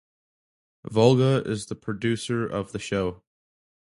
Volga is the producer of the show.